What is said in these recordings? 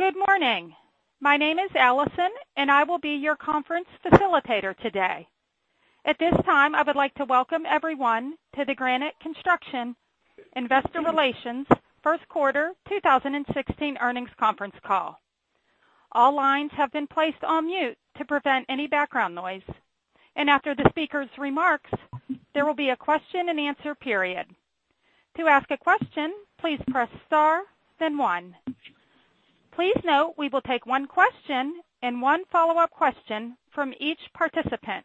Good morning. My name is Allyson, and I will be your conference facilitator today. At this time, I would like to welcome everyone to the Granite Construction Investor Relations First Quarter 2016 Earnings Conference Call. All lines have been placed on mute to prevent any background noise, and after the speaker's remarks, there will be a question-and-answer period. To ask a question, please press star, then one. Please note we will take one question and one follow-up question from each participant.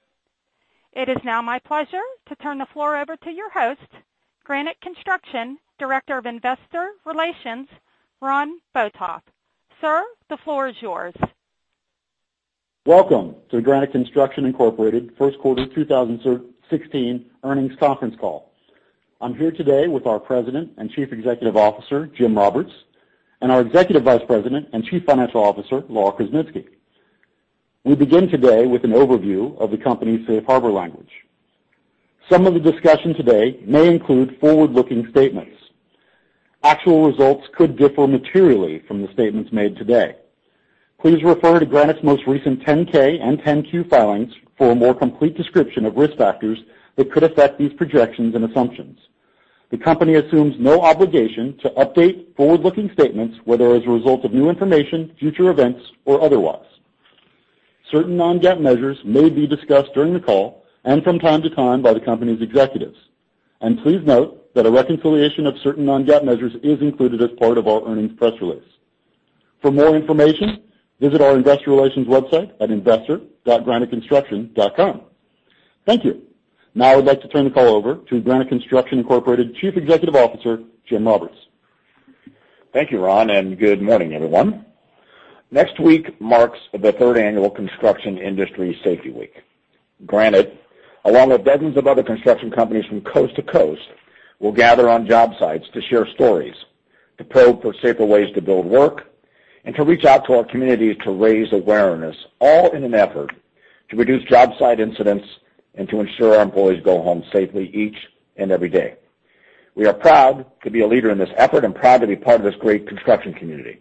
It is now my pleasure to turn the floor over to your host, Granite Construction Director of Investor Relations, Ron Botoff. Sir, the floor is yours. Welcome to the Granite Construction Incorporated First Quarter 2016 Earnings Conference Call. I'm here today with our President and Chief Executive Officer, Jim Roberts, and our Executive Vice President and Chief Financial Officer, Laurel Krzeminski. We begin today with an overview of the company's safe harbor language. Some of the discussion today may include forward-looking statements. Actual results could differ materially from the statements made today. Please refer to Granite's most recent 10-K and 10-Q filings for a more complete description of risk factors that could affect these projections and assumptions. The company assumes no obligation to update forward-looking statements whether as a result of new information, future events, or otherwise. Certain non-GAAP measures may be discussed during the call and from time to time by the company's executives. Please note that a reconciliation of certain non-GAAP measures is included as part of our earnings press release. For more information, visit our investor relations website at investor.graniteconstruction.com. Thank you. Now I would like to turn the call over to Granite Construction Incorporated Chief Executive Officer, Jim Roberts. Thank you, Ron, and good morning, everyone. Next week marks the Third Annual Construction Industry Safety Week. Granite, along with dozens of other construction companies from coast to coast, will gather on job sites to share stories, to probe for safer ways to build work, and to reach out to our communities to raise awareness, all in an effort to reduce job site incidents and to ensure our employees go home safely each and every day. We are proud to be a leader in this effort and proud to be part of this great construction community.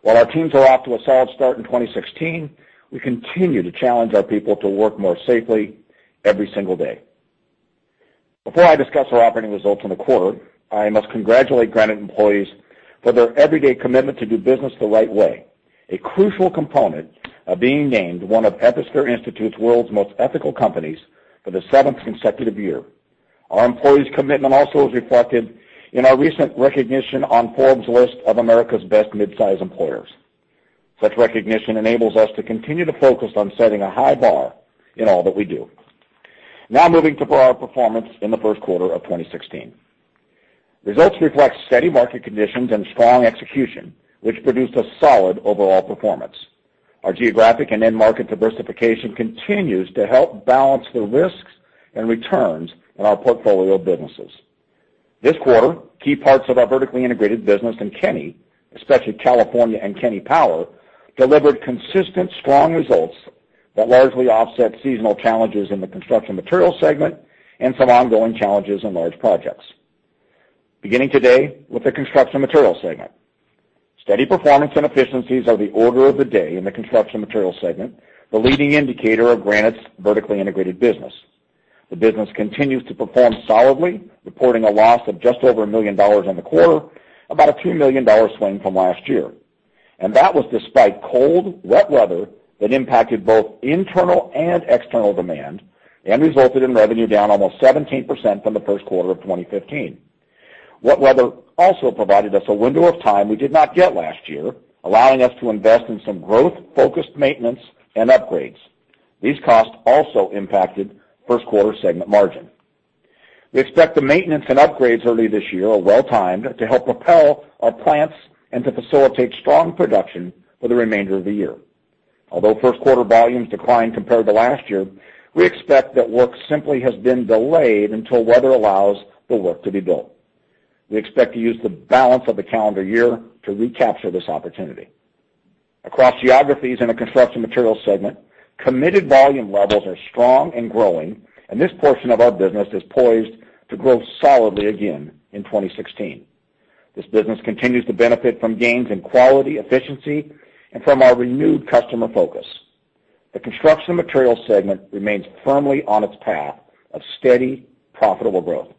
While our teams are off to a solid start in 2016, we continue to challenge our people to work more safely every single day. Before I discuss our operating results in the quarter, I must congratulate Granite employees for their everyday commitment to do business the right way, a crucial component of being named one of Ethisphere Institute's World's Most Ethical Companies for the seventh consecutive year. Our employees' commitment also is reflected in our recent recognition on Forbes list of America's Best Midsize Employers. Such recognition enables us to continue to focus on setting a high bar in all that we do. Now moving to our performance in the first quarter of 2016. Results reflect steady market conditions and strong execution, which produced a solid overall performance. Our geographic and end market diversification continues to help balance the risks and returns in our portfolio of businesses. This quarter, key parts of our vertically integrated business in Kenny, especially California and Kenny Power, delivered consistent, strong results that largely offset seasonal challenges in the construction materials segment and some ongoing challenges in large projects. Beginning today with the construction materials segment, steady performance and efficiencies are the order of the day in the construction materials segment, the leading indicator of Granite's vertically integrated business. The business continues to perform solidly, reporting a loss of just over $1 million in the quarter, about a $2 million swing from last year. That was despite cold, wet weather that impacted both internal and external demand and resulted in revenue down almost 17% from the first quarter of 2015. Wet weather also provided us a window of time we did not get last year, allowing us to invest in some growth-focused maintenance and upgrades. These costs also impacted first quarter segment margin. We expect the maintenance and upgrades early this year are well-timed to help propel our plants and to facilitate strong production for the remainder of the year. Although first quarter volumes declined compared to last year, we expect that work simply has been delayed until weather allows the work to be built. We expect to use the balance of the calendar year to recapture this opportunity. Across geographies in the construction materials segment, committed volume levels are strong and growing, and this portion of our business is poised to grow solidly again in 2016. This business continues to benefit from gains in quality, efficiency, and from our renewed customer focus. The construction materials segment remains firmly on its path of steady, profitable growth.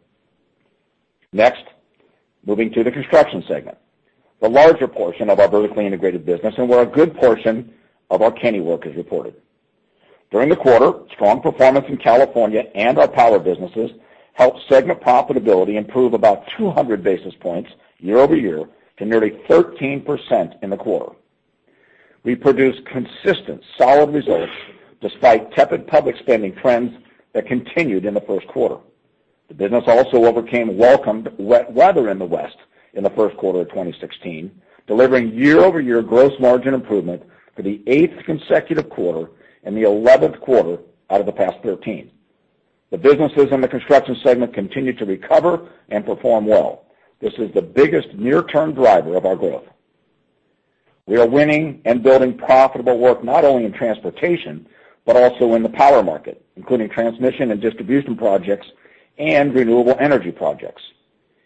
Next, moving to the construction segment, the larger portion of our vertically integrated business, and where a good portion of our Kenny work is reported. During the quarter, strong performance in California and our power businesses helped segment profitability improve about 200 basis points year-over-year to nearly 13% in the quarter. We produced consistent, solid results despite tepid public spending trends that continued in the first quarter. The business also overcame unwelcome wet weather in the west in the first quarter of 2016, delivering year-over-year gross margin improvement for the eighth consecutive quarter and the eleventh quarter out of the past 13. The businesses in the construction segment continue to recover and perform well. This is the biggest near-term driver of our growth. We are winning and building profitable work not only in transportation but also in the power market, including transmission and distribution projects and renewable energy projects.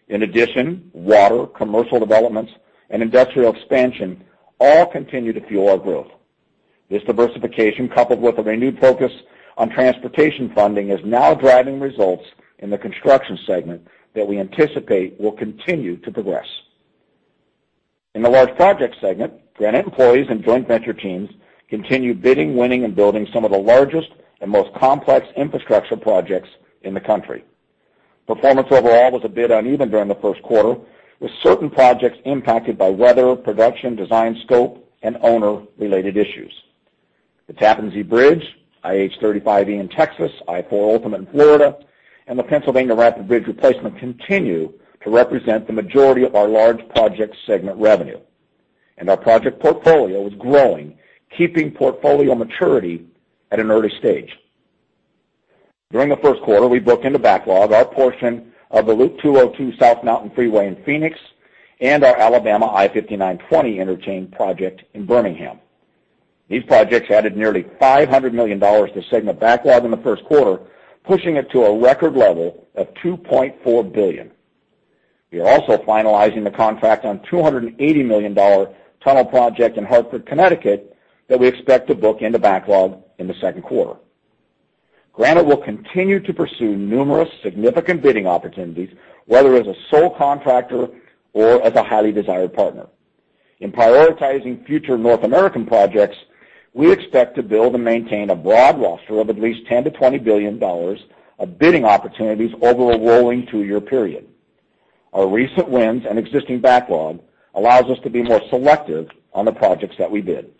In addition, water, commercial developments, and industrial expansion all continue to fuel our growth. This diversification, coupled with a renewed focus on transportation funding, is now driving results in the construction segment that we anticipate will continue to progress. In the large project segment, Granite employees and joint venture teams continue bidding, winning, and building some of the largest and most complex infrastructure projects in the country. Performance overall was a bit uneven during the first quarter, with certain projects impacted by weather, production, design scope, and owner-related issues. The Tappan Zee Bridge, IH-35E in Texas, I-4 Ultimate in Florida, and the Pennsylvania Rapid Bridge replacement continue to represent the majority of our large project segment revenue. Our project portfolio is growing, keeping portfolio maturity at an early stage. During the first quarter, we booked into backlog our portion of the Loop 202 South Mountain Freeway in Phoenix and our Alabama I-59/20 interchange project in Birmingham. These projects added nearly $500 million to segment backlog in the first quarter, pushing it to a record level of $2.4 billion. We are also finalizing the contract on a $280 million tunnel project in Hartford, Connecticut, that we expect to book into backlog in the second quarter. Granite will continue to pursue numerous significant bidding opportunities, whether as a sole contractor or as a highly desired partner. In prioritizing future North American projects, we expect to build and maintain a broad roster of at least $10 billion-$20 billion of bidding opportunities over a rolling two-year period. Our recent wins and existing backlog allow us to be more selective on the projects that we bid.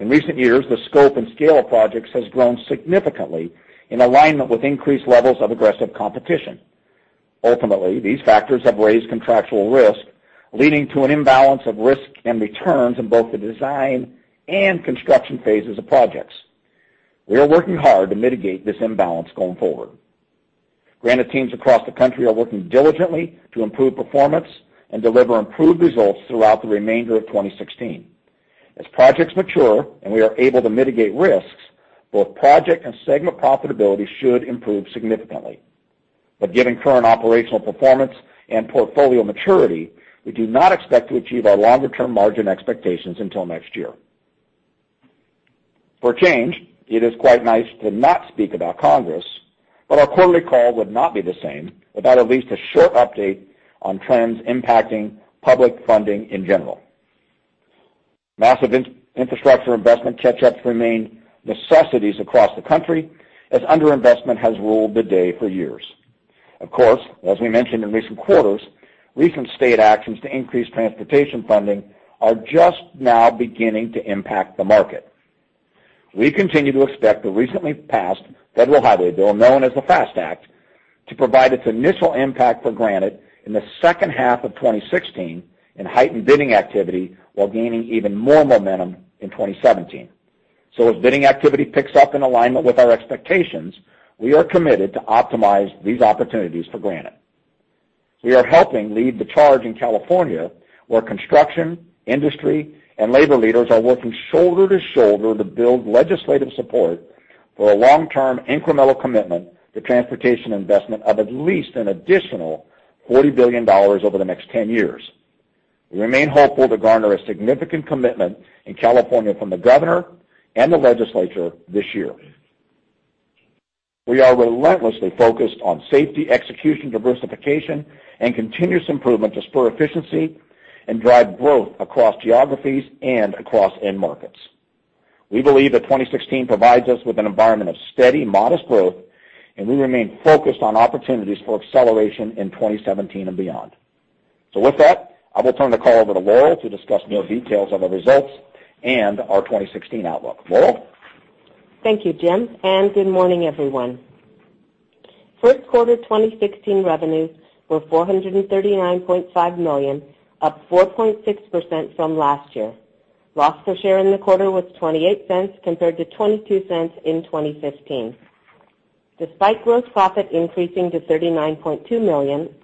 In recent years, the scope and scale of projects has grown significantly in alignment with increased levels of aggressive competition. Ultimately, these factors have raised contractual risk, leading to an imbalance of risk and returns in both the design and construction phases of projects. We are working hard to mitigate this imbalance going forward. Granite teams across the country are working diligently to improve performance and deliver improved results throughout the remainder of 2016. As projects mature and we are able to mitigate risks, both project and segment profitability should improve significantly. But given current operational performance and portfolio maturity, we do not expect to achieve our longer-term margin expectations until next year. For a change, it is quite nice to not speak about Congress, but our quarterly call would not be the same without at least a short update on trends impacting public funding in general. Massive infrastructure investment catch-ups remain necessities across the country as underinvestment has ruled the day for years. Of course, as we mentioned in recent quarters, recent state actions to increase transportation funding are just now beginning to impact the market. We continue to expect the recently passed federal highway bill, known as the FAST Act, to provide its initial impact for Granite in the second half of 2016 and heighten bidding activity while gaining even more momentum in 2017. So as bidding activity picks up in alignment with our expectations, we are committed to optimize these opportunities for Granite. We are helping lead the charge in California, where construction, industry, and labor leaders are working shoulder to shoulder to build legislative support for a long-term incremental commitment to transportation investment of at least an additional $40 billion over the next 10 years. We remain hopeful to garner a significant commitment in California from the governor and the legislature this year. We are relentlessly focused on safety, execution, diversification, and continuous improvement to spur efficiency and drive growth across geographies and across end markets. We believe that 2016 provides us with an environment of steady, modest growth, and we remain focused on opportunities for acceleration in 2017 and beyond. So with that, I will turn the call over to Laurel to discuss more details of our results and our 2016 outlook. Laurel? Thank you, Jim, and good morning, everyone. First quarter 2016 revenues were $439.5 million, up 4.6% from last year. Loss per share in the quarter was $0.28 compared to $0.22 in 2015. Despite gross profit increasing to $39.2 million,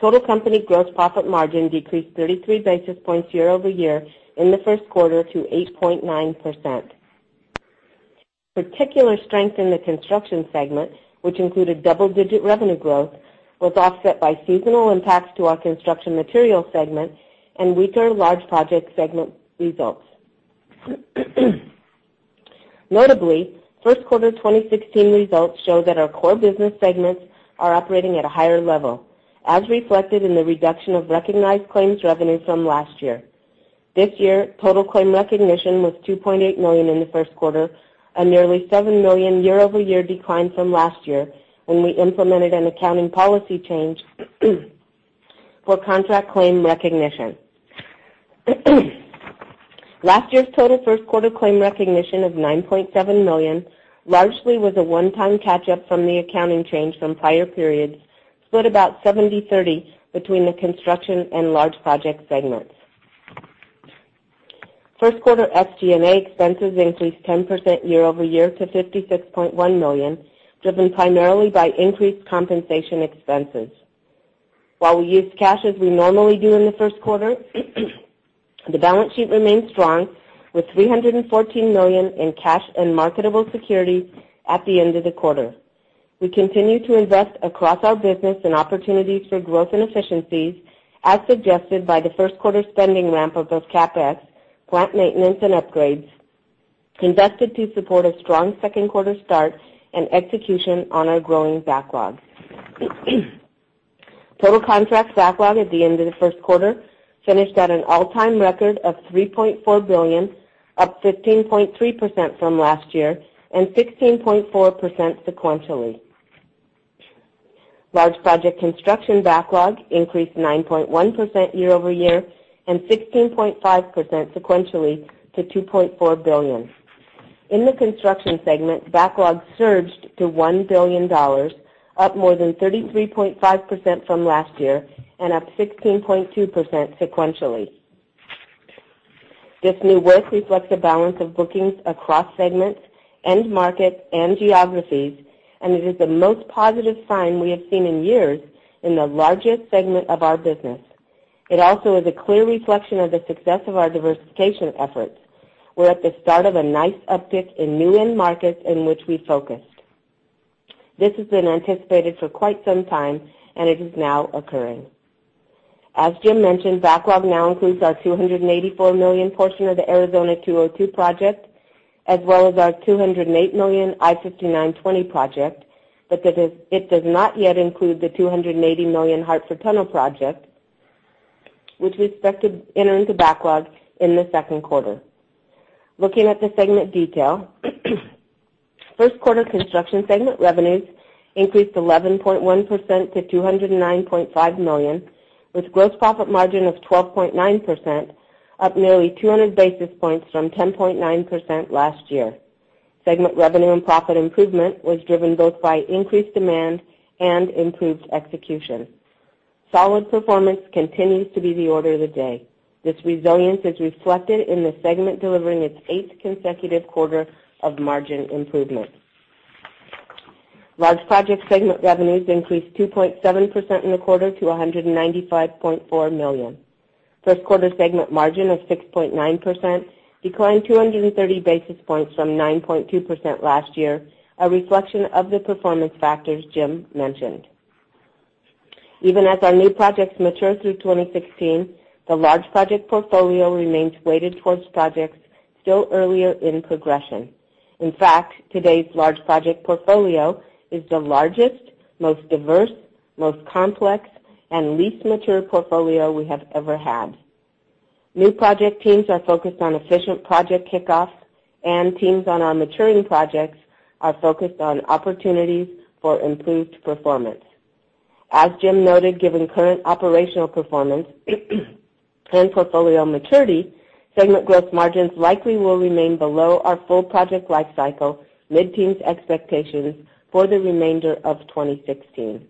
total company gross profit margin decreased 33 basis points year-over-year in the first quarter to 8.9%. Particular strength in the construction segment, which included double-digit revenue growth, was offset by seasonal impacts to our construction materials segment and weaker large project segment results. Notably, first quarter 2016 results show that our core business segments are operating at a higher level, as reflected in the reduction of recognized claims revenue from last year. This year, total claim recognition was $2.8 million in the first quarter, a nearly $7 million year-over-year decline from last year when we implemented an accounting policy change for contract claim recognition. Last year's total first quarter claim recognition of $9.7 million largely was a one-time catch-up from the accounting change from prior periods, split about 70/30 between the construction and large project segments. First quarter SG&A expenses increased 10% year-over-year to $56.1 million, driven primarily by increased compensation expenses. While we used cash as we normally do in the first quarter, the balance sheet remained strong, with $314 million in cash and marketable securities at the end of the quarter. We continue to invest across our business in opportunities for growth and efficiencies, as suggested by the first quarter spending ramp of both CapEx, plant maintenance, and upgrades, invested to support a strong second quarter start and execution on our growing backlog. Total contracts backlog at the end of the first quarter finished at an all-time record of $3.4 billion, up 15.3% from last year and 16.4% sequentially. Large project construction backlog increased 9.1% year-over-year and 16.5% sequentially to $2.4 billion. In the construction segment, backlog surged to $1 billion, up more than 33.5% from last year and up 16.2% sequentially. This new work reflects a balance of bookings across segments, end markets, and geographies, and it is the most positive sign we have seen in years in the largest segment of our business. It also is a clear reflection of the success of our diversification efforts. We're at the start of a nice uptick in new end markets in which we focused. This has been anticipated for quite some time, and it is now occurring. As Jim mentioned, backlog now includes our $284 million portion of the Arizona 202 project, as well as our $208 million I-59/20 project, but it does not yet include the $280 million Hartford Tunnel project, which we expect to enter into backlog in the second quarter. Looking at the segment detail, first quarter construction segment revenues increased 11.1% to $209.5 million, with gross profit margin of 12.9%, up nearly 200 basis points from 10.9% last year. Segment revenue and profit improvement was driven both by increased demand and improved execution. Solid performance continues to be the order of the day. This resilience is reflected in the segment delivering its eighth consecutive quarter of margin improvement. Large project segment revenues increased 2.7% in the quarter to $195.4 million. First quarter segment margin of 6.9% declined 230 basis points from 9.2% last year, a reflection of the performance factors Jim mentioned. Even as our new projects mature through 2016, the large project portfolio remains weighted towards projects still earlier in progression. In fact, today's large project portfolio is the largest, most diverse, most complex, and least mature portfolio we have ever had. New project teams are focused on efficient project kickoffs, and teams on our maturing projects are focused on opportunities for improved performance. As Jim noted, given current operational performance and portfolio maturity, segment growth margins likely will remain below our full project lifecycle mid-teens expectations for the remainder of 2016.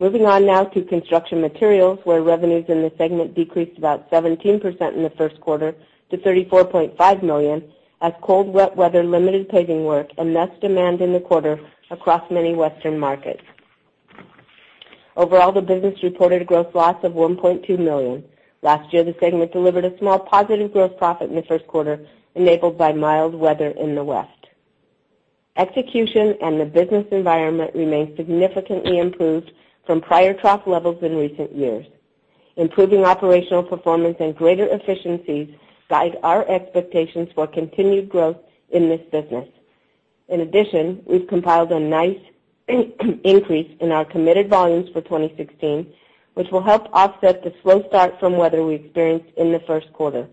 Moving on now to construction materials, where revenues in the segment decreased about 17% in the first quarter to $34.5 million as cold, wet weather limited paving work and less demand in the quarter across many Western markets. Overall, the business reported a gross loss of $1.2 million. Last year, the segment delivered a small positive gross profit in the first quarter enabled by mild weather in the west. Execution and the business environment remain significantly improved from prior trough levels in recent years. Improving operational performance and greater efficiencies guide our expectations for continued growth in this business. In addition, we've compiled a nice increase in our committed volumes for 2016, which will help offset the slow start from weather we experienced in the first quarter.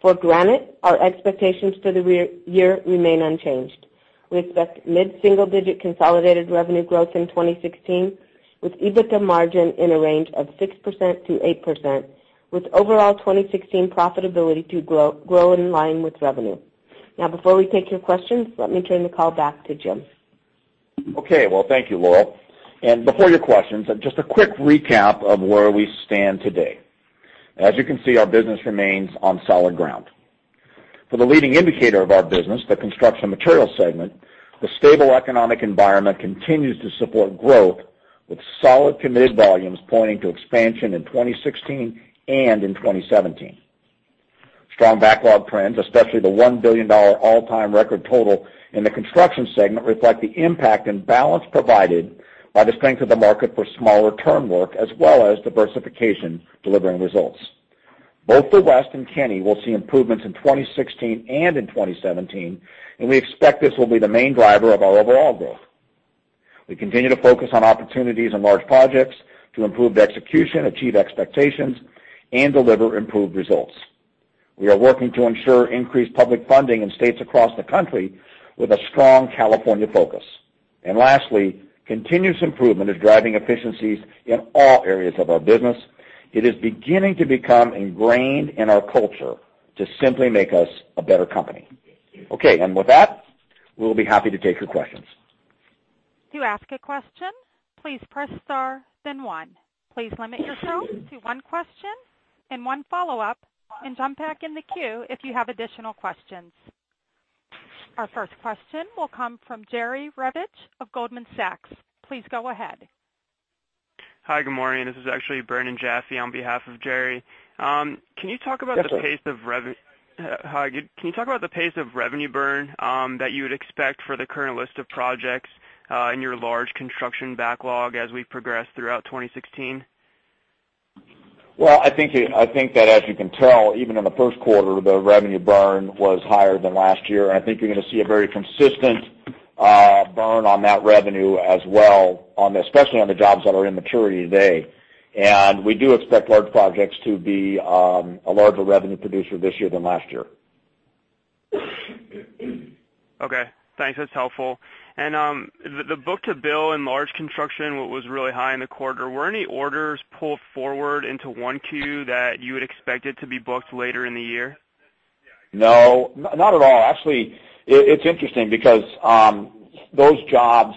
For Granite, our expectations for the year remain unchanged. We expect mid-single-digit consolidated revenue growth in 2016, with EBITDA margin in a range of 6%-8%, with overall 2016 profitability to grow in line with revenue. Now, before we take your questions, let me turn the call back to Jim. Okay. Well, thank you, Laurel. Before your questions, just a quick recap of where we stand today. As you can see, our business remains on solid ground. For the leading indicator of our business, the construction materials segment, the stable economic environment continues to support growth, with solid committed volumes pointing to expansion in 2016 and in 2017. Strong backlog trends, especially the $1 billion all-time record total in the construction segment, reflect the impact and balance provided by the strength of the market for smaller turn work, as well as diversification delivering results. Both the west and Kenny will see improvements in 2016 and in 2017, and we expect this will be the main driver of our overall growth. We continue to focus on opportunities in large projects to improve execution, achieve expectations, and deliver improved results. We are working to ensure increased public funding in states across the country with a strong California focus. Lastly, continuous improvement is driving efficiencies in all areas of our business. It is beginning to become ingrained in our culture to simply make us a better company. Okay. With that, we'll be happy to take your questions. To ask a question, please press star, then one. Please limit yourself to one question and one follow-up, and jump back in the queue if you have additional questions. Our first question will come from Jerry Revich of Goldman Sachs. Please go ahead. Hi, good morning. This is actually Ben and Jessie on behalf of Jerry. Can you talk about the pace of revenue? Yes, sir. Hi. Can you talk about the pace of revenue burn that you would expect for the current list of projects in your large construction backlog as we progress throughout 2016? Well, I think that, as you can tell, even in the first quarter, the revenue burn was higher than last year. I think you're going to see a very consistent burn on that revenue as well, especially on the jobs that are in maturity today. We do expect large projects to be a larger revenue producer this year than last year. Okay. Thanks. That's helpful. The book-to-bill in large construction was really high in the quarter. Were any orders pulled forward into Q1 that you had expected to be booked later in the year? No. Not at all. Actually, it's interesting because those jobs,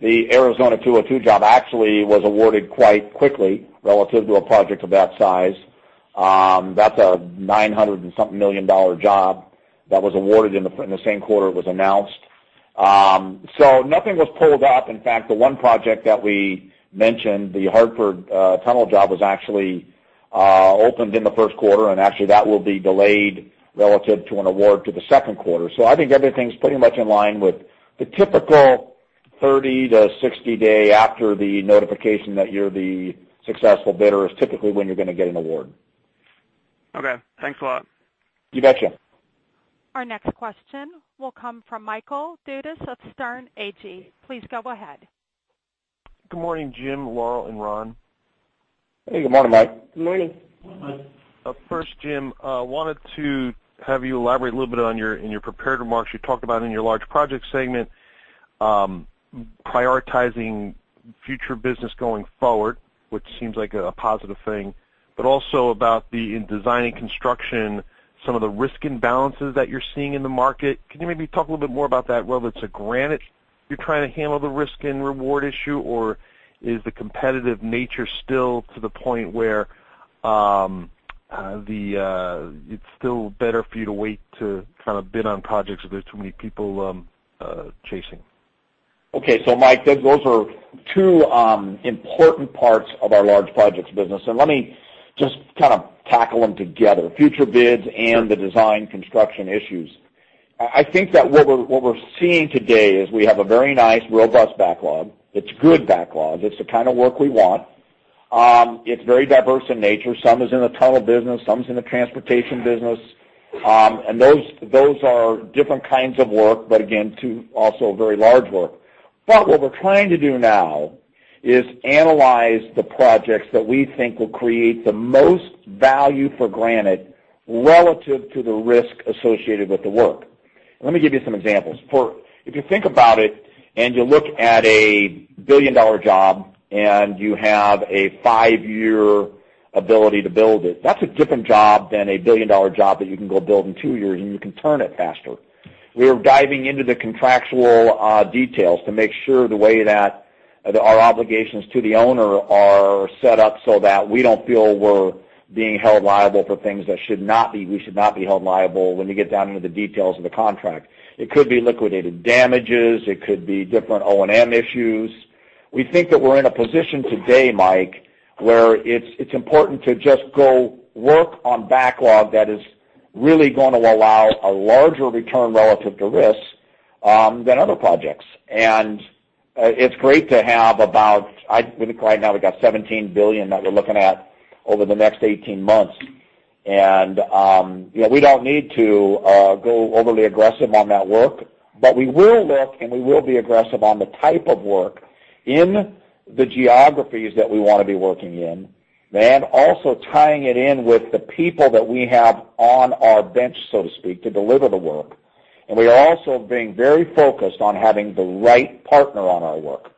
the Arizona 202 job, actually was awarded quite quickly relative to a project of that size. That's a $900-something million job that was awarded in the same quarter it was announced. So nothing was pulled up. In fact, the one project that we mentioned, the Hartford Tunnel job, was actually opened in the first quarter, and actually that will be delayed relative to an award to the second quarter. So I think everything's pretty much in line with the typical 30-60-day after the notification that you're the successful bidder is typically when you're going to get an award. Okay. Thanks a lot. You betcha. Our next question will come from Michael Dudas of Sterne Agee. Please go ahead. Good morning, Jim, Laurel, and Ron. Hey, good morning, Mike. Good morning. Good morning, Mike. First, Jim, I wanted to have you elaborate a little bit on, in your prepared remarks, you talked about in your large project segment prioritizing future business going forward, which seems like a positive thing, but also about, in design-build construction, some of the risk imbalances that you're seeing in the market. Can you maybe talk a little bit more about that? Whether it's at Granite you're trying to handle the risk and reward issue, or is the competitive nature still to the point where it's still better for you to wait to kind of bid on projects if there's too many people chasing? Okay. So, Mike, those are two important parts of our large projects business. And let me just kind of tackle them together, future bids and the design construction issues. I think that what we're seeing today is we have a very nice, robust backlog. It's good backlog. It's the kind of work we want. It's very diverse in nature. Some is in the tunnel business, some is in the transportation business. And those are different kinds of work, but again, also very large work. But what we're trying to do now is analyze the projects that we think will create the most value for Granite relative to the risk associated with the work. Let me give you some examples. If you think about it and you look at a billion-dollar job and you have a five-year ability to build it, that's a different job than a billion-dollar job that you can go build in two years, and you can turn it faster. We are diving into the contractual details to make sure the way that our obligations to the owner are set up so that we don't feel we're being held liable for things that should not be. We should not be held liable when you get down into the details of the contract. It could be liquidated damages. It could be different O&M issues. We think that we're in a position today, Mike, where it's important to just go work on backlog that is really going to allow a larger return relative to risk than other projects. It's great to have about, right now we've got $17 billion that we're looking at over the next 18 months. We don't need to go overly aggressive on that work, but we will look and we will be aggressive on the type of work in the geographies that we want to be working in, and also tying it in with the people that we have on our bench, so to speak, to deliver the work. We are also being very focused on having the right partner on our work.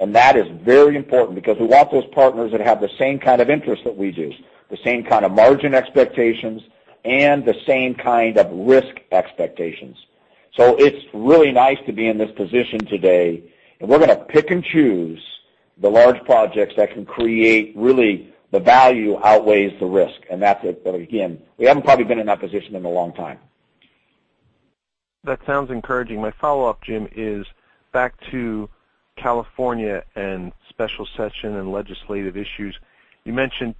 That is very important because we want those partners that have the same kind of interest that we do, the same kind of margin expectations, and the same kind of risk expectations. It's really nice to be in this position today. We're going to pick and choose the large projects that can create really the value outweighs the risk. That's it. Again, we haven't probably been in that position in a long time. That sounds encouraging. My follow-up, Jim, is back to California and special session and legislative issues. You mentioned,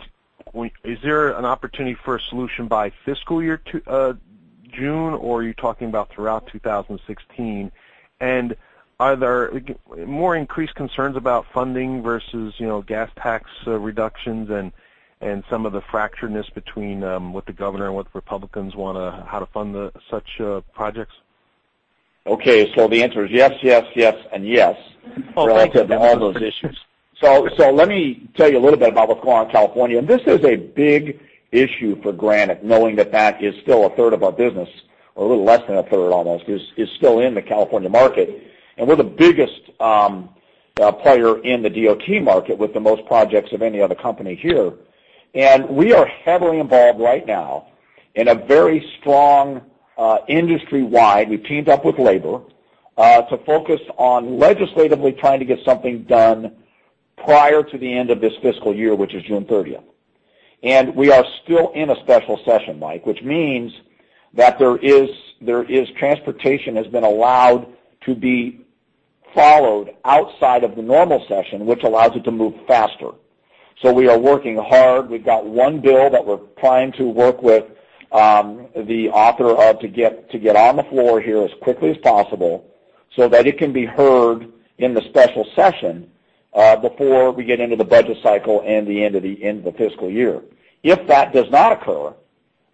is there an opportunity for a solution by fiscal year June, or are you talking about throughout 2016? And are there more increased concerns about funding versus gas tax reductions and some of the fracturedness between what the governor and what the Republicans want to, how to fund such projects? Okay. So the answer is yes, yes, yes, and yes relative to all those issues. So let me tell you a little bit about what's going on in California. And this is a big issue for Granite, knowing that that is still a third of our business, or a little less than a third almost, is still in the California market. And we're the biggest player in the DOT market with the most projects of any other company here. And we are heavily involved right now in a very strong industry-wide—we've teamed up with labor to focus on legislatively trying to get something done prior to the end of this fiscal year, which is June 30th. And we are still in a special session, Mike, which means that transportation has been allowed to be followed outside of the normal session, which allows it to move faster. So we are working hard. We've got one bill that we're trying to work with the author of to get on the floor here as quickly as possible so that it can be heard in the special session before we get into the budget cycle and the end of the fiscal year. If that does not occur,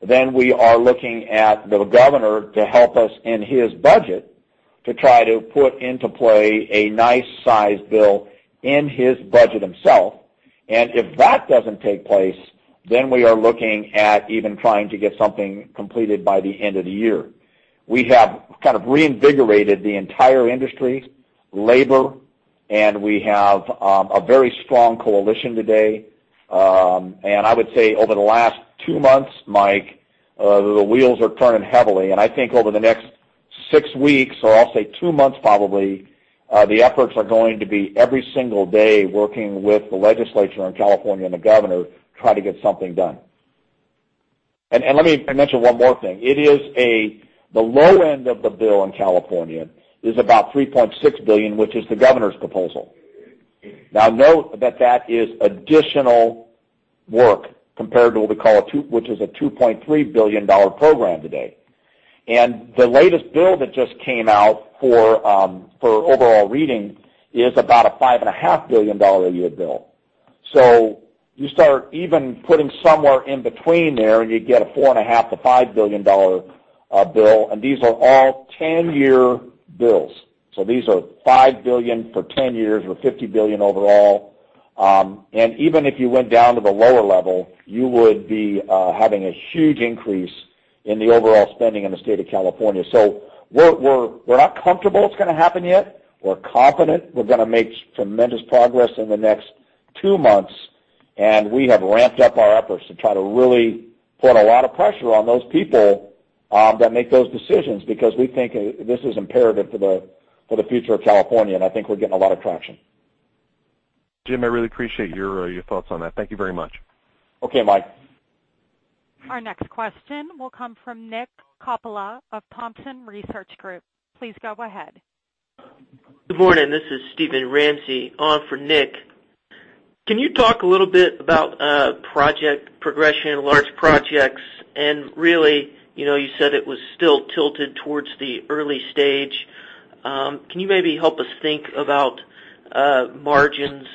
then we are looking at the governor to help us in his budget to try to put into play a nice-sized bill in his budget himself. And if that doesn't take place, then we are looking at even trying to get something completed by the end of the year. We have kind of reinvigorated the entire industry, labor, and we have a very strong coalition today. And I would say over the last two months, Mike, the wheels are turning heavily. I think over the next six weeks, or I'll say two months probably, the efforts are going to be every single day working with the legislature in California and the governor to try to get something done. Let me mention one more thing. The low end of the bill in California is about $3.6 billion, which is the governor's proposal. Now, note that that is additional work compared to what we call a $2.3 billion program today. The latest bill that just came out for overall reading is about a $5.5 billion a year bill. You start even putting somewhere in between there and you get a $4.5 billion-$5 billion bill. These are all 10-year bills. These are $5 billion for 10 years or $50 billion overall. Even if you went down to the lower level, you would be having a huge increase in the overall spending in the state of California. We're not comfortable it's going to happen yet. We're confident we're going to make tremendous progress in the next two months. We have ramped up our efforts to try to really put a lot of pressure on those people that make those decisions because we think this is imperative for the future of California. I think we're getting a lot of traction. Jim, I really appreciate your thoughts on that. Thank you very much. Okay, Mike. Our next question will come from Nick Coppola of Thompson Research Group. Please go ahead. Good morning. This is Steven Ramsey on for Nick. Can you talk a little bit about project progression, large projects? And really, you said it was still tilted towards the early stage. Can you maybe help us think about margins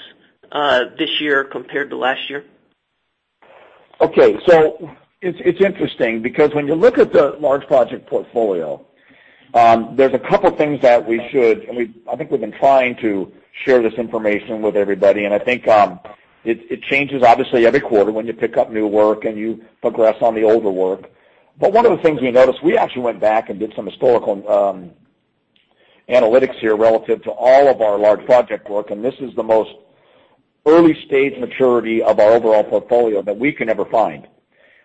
this year compared to last year? Okay. So it's interesting because when you look at the large project portfolio, there's a couple of things that we should, and I think we've been trying to share this information with everybody. And I think it changes, obviously, every quarter when you pick up new work and you progress on the older work. But one of the things we noticed, we actually went back and did some historical analytics here relative to all of our large project work. And this is the most early-stage maturity of our overall portfolio that we can ever find,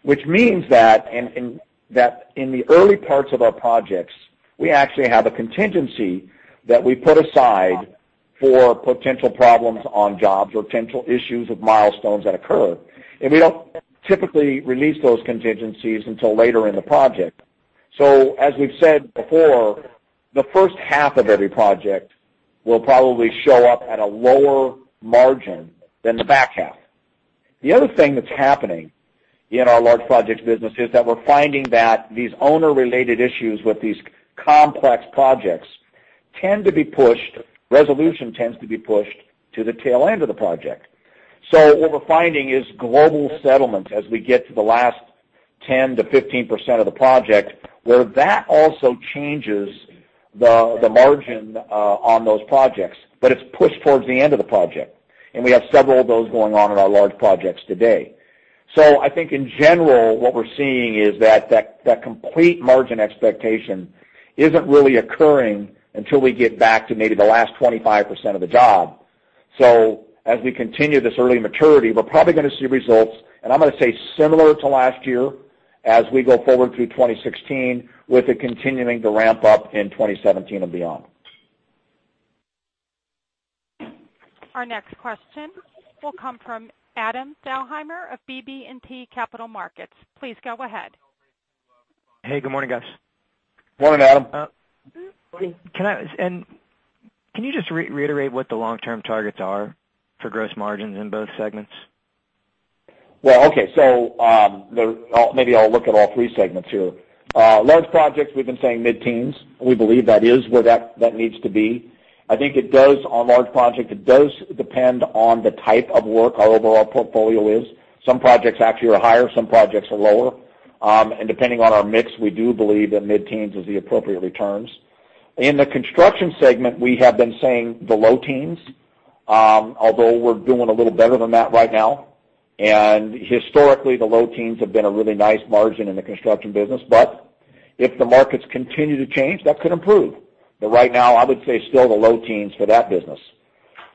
which means that in the early parts of our projects, we actually have a contingency that we put aside for potential problems on jobs or potential issues of milestones that occur. And we don't typically release those contingencies until later in the project. So as we've said before, the first half of every project will probably show up at a lower margin than the back half. The other thing that's happening in our large projects business is that we're finding that these owner-related issues with these complex projects tend to be pushed, resolution tends to be pushed to the tail end of the project. So what we're finding is global settlements as we get to the last 10%-15% of the project, where that also changes the margin on those projects, but it's pushed towards the end of the project. And we have several of those going on in our large projects today. So I think, in general, what we're seeing is that that complete margin expectation isn't really occurring until we get back to maybe the last 25% of the job. So as we continue this early maturity, we're probably going to see results. And I'm going to say similar to last year as we go forward through 2016, with it continuing to ramp up in 2017 and beyond. Our next question will come from Adam Thalhimer of BB&T Capital Markets. Please go ahead. Hey, good morning, guys. Morning, Adam. Can you just reiterate what the long-term targets are for gross margins in both segments? Well, okay. So maybe I'll look at all three segments here. Large projects, we've been saying mid-teens. We believe that is where that needs to be. I think on large projects, it does depend on the type of work our overall portfolio is. Some projects actually are higher. Some projects are lower. And depending on our mix, we do believe that mid-teens is the appropriate returns. In the construction segment, we have been saying the low-teens, although we're doing a little better than that right now. And historically, the low-teens have been a really nice margin in the construction business. But if the markets continue to change, that could improve. But right now, I would say still the low-teens for that business.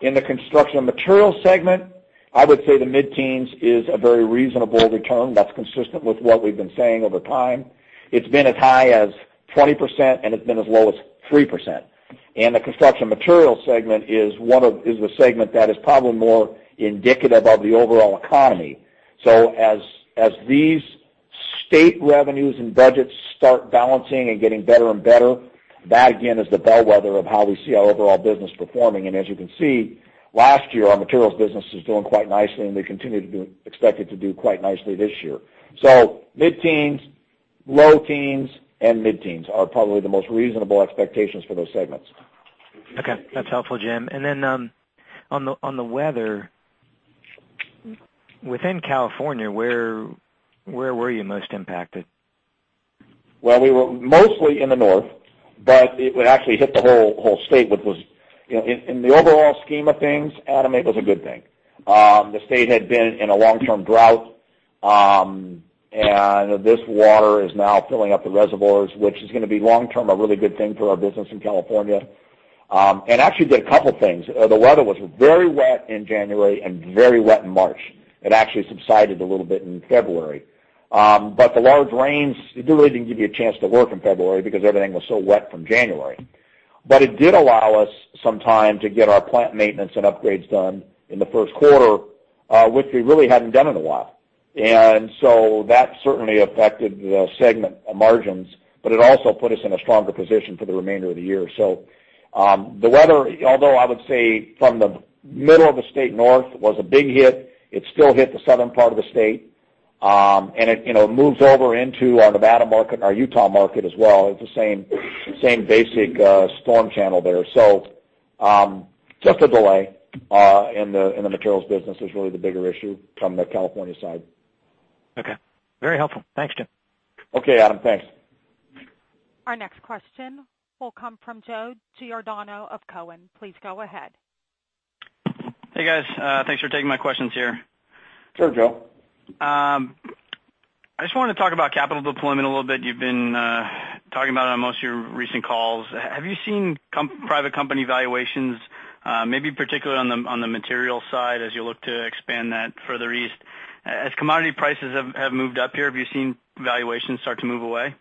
In the construction material segment, I would say the mid-teens is a very reasonable return that's consistent with what we've been saying over time. It's been as high as 20%, and it's been as low as 3%. The construction material segment is the segment that is probably more indicative of the overall economy. As these state revenues and budgets start balancing and getting better and better, that again is the bellwether of how we see our overall business performing. As you can see, last year, our materials business was doing quite nicely, and we continue to expect it to do quite nicely this year. Mid-teens, low-teens, and mid-teens are probably the most reasonable expectations for those segments. Okay. That's helpful, Jim. And then on the weather, within California, where were you most impacted? Well, we were mostly in the north, but it actually hit the whole state, which was in the overall scheme of things, Adam, it was a good thing. The state had been in a long-term drought, and this water is now filling up the reservoirs, which is going to be long-term a really good thing for our business in California. And actually did a couple of things. The weather was very wet in January and very wet in March. It actually subsided a little bit in February. But the large rains, it really didn't give you a chance to work in February because everything was so wet from January. But it did allow us some time to get our plant maintenance and upgrades done in the first quarter, which we really hadn't done in a while. That certainly affected the segment margins, but it also put us in a stronger position for the remainder of the year. The weather, although I would say from the middle of the state north was a big hit, it still hit the southern part of the state. It moves over into our Nevada market and our Utah market as well. It's the same basic storm channel there. Just a delay in the materials business is really the bigger issue from the California side. Okay. Very helpful. Thanks, Jim. Okay, Adam. Thanks. Our next question will come from Joe Giordano of Cowen. Please go ahead. Hey, guys. Thanks for taking my questions here. Sure, Joe. I just wanted to talk about capital deployment a little bit. You've been talking about it on most of your recent calls. Have you seen private company valuations, maybe particularly on the materials side as you look to expand that further east? As commodity prices have moved up here, have you seen valuations start to move away?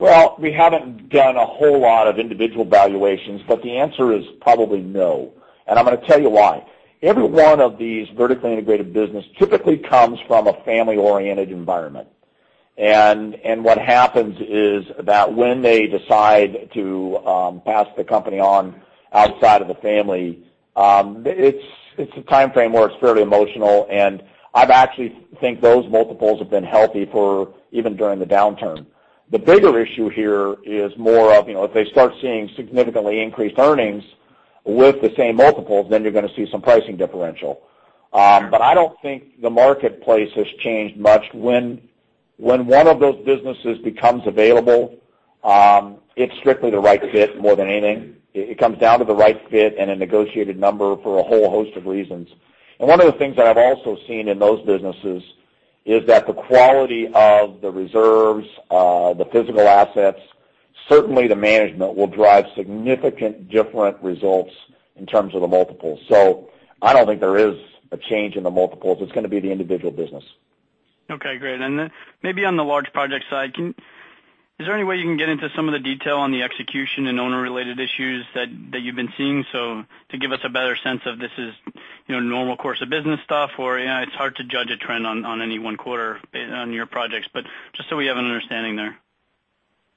Well, we haven't done a whole lot of individual valuations, but the answer is probably no. And I'm going to tell you why. Every one of these vertically integrated businesses typically comes from a family-oriented environment. And what happens is that when they decide to pass the company on outside of the family, it's a time frame where it's fairly emotional. And I actually think those multiples have been healthy for even during the downturn. The bigger issue here is more of if they start seeing significantly increased earnings with the same multiples, then you're going to see some pricing differential. But I don't think the marketplace has changed much. When one of those businesses becomes available, it's strictly the right fit more than anything. It comes down to the right fit and a negotiated number for a whole host of reasons. One of the things that I've also seen in those businesses is that the quality of the reserves, the physical assets, certainly the management will drive significant different results in terms of the multiples. I don't think there is a change in the multiples. It's going to be the individual business. Okay. Great. Maybe on the large project side, is there any way you can get into some of the detail on the execution and owner-related issues that you've been seeing to give us a better sense of this is normal course of business stuff or it's hard to judge a trend on any one quarter on your projects? But just so we have an understanding there.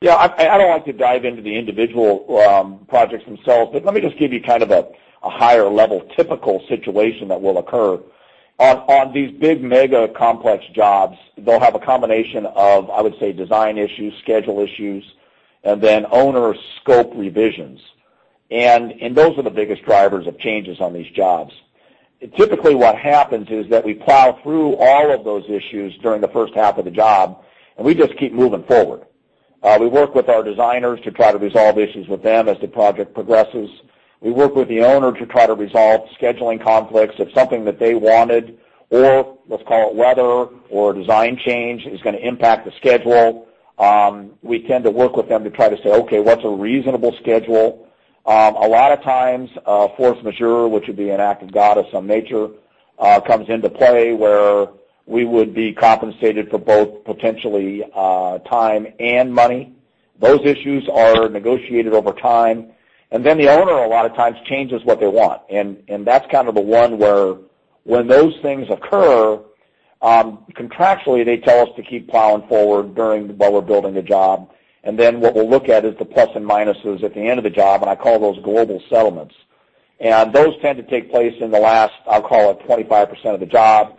Yeah. I don't like to dive into the individual projects themselves, but let me just give you kind of a higher-level typical situation that will occur. On these big mega complex jobs, they'll have a combination of, I would say, design issues, schedule issues, and then owner scope revisions. And those are the biggest drivers of changes on these jobs. Typically, what happens is that we plow through all of those issues during the first half of the job, and we just keep moving forward. We work with our designers to try to resolve issues with them as the project progresses. We work with the owner to try to resolve scheduling conflicts if something that they wanted or let's call it weather or design change is going to impact the schedule. We tend to work with them to try to say, "Okay, what's a reasonable schedule?" A lot of times, force majeure, which would be an act of God of some nature, comes into play where we would be compensated for both potentially time and money. Those issues are negotiated over time. And then the owner a lot of times changes what they want. And that's kind of the one where when those things occur, contractually, they tell us to keep plowing forward while we're building the job. And then what we'll look at is the plus and minuses at the end of the job, and I call those global settlements. And those tend to take place in the last, I'll call it, 25% of the job.